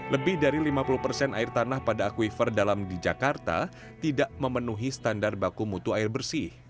lebih dari lima puluh persen air tanah pada akuifer dalam di jakarta tidak memenuhi standar baku mutu air bersih